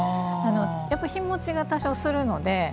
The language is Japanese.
やっぱ日もちが多少するので。